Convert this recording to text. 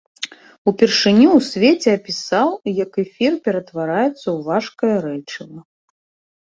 Упершыню ў свеце апісаў, як эфір ператвараецца ў важкае рэчыва.